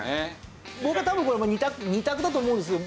僕は多分これもう２択だと思うんですよ。